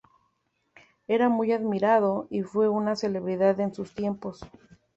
Era muy admirado y fue una celebridad en sus tiempos.